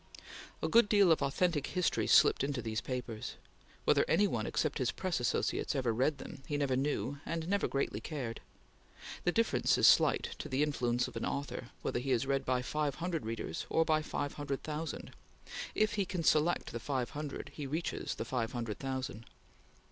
A good deal of authentic history slipped into these papers. Whether any one except his press associates ever read them, he never knew and never greatly cared. The difference is slight, to the influence of an author, whether he is read by five hundred readers, or by five hundred thousand; if he can select the five hundred, he reaches the five hundred thousand.